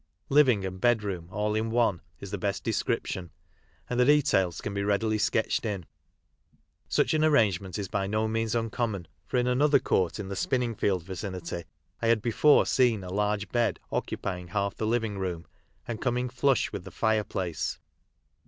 Living and bed room all in one is the best description, and the details can be readily sketched in. Such an arrangement is by no means uncommon, for in another court, in the Spin ningfi old vicinitv, I had before seen a largo bed occuping half the living room, and coming flush with the lire place.